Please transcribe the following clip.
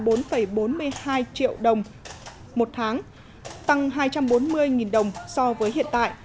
vùng hai từ năm hai nghìn hai mươi sẽ là bốn bốn mươi hai triệu đồng một tháng tăng hai trăm bốn mươi đồng so với hiện tại